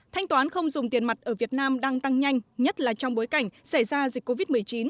thanh toán không dùng tiền mặt ở việt nam đang tăng nhanh nhất là trong bối cảnh xảy ra dịch covid một mươi chín